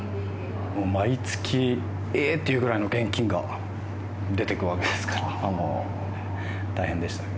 毎月「えーっ！」っていうぐらいの現金が出ていくわけですからもうね大変でしたけども。